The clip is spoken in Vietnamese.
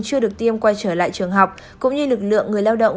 chưa được tiêm quay trở lại trường học cũng như lực lượng người lao động